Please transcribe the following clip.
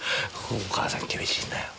お母さん厳しいんだよ。